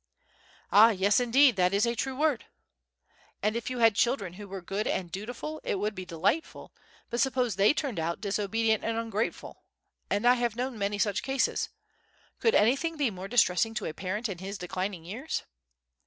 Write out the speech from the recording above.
"Ah, yes, indeed! that is a true word." "And if you had children who were good and dutiful, it would be delightful; but suppose they turned out disobedient and ungrateful—and I have known many such cases—could anything be more distressing to a parent in his declining years?"